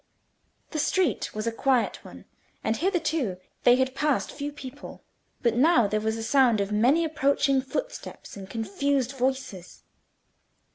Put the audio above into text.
The street was a quiet one, and hitherto they had passed few people; but now there was a sound of many approaching footsteps and confused voices.